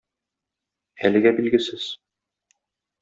Әлегә билгесез.